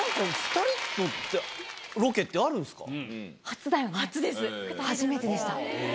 初めてでした。